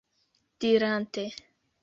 dirante